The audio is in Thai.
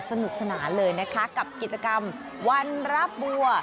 สนุกสนานเลยนะคะกับกิจกรรมวันรับบัว